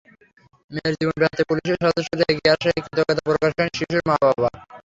মেয়ের জীবন বাঁচাতে পুলিশের সদস্যরা এগিয়ে আশায় কৃতজ্ঞতা প্রকাশ করেন শিশুর মা-বাবা।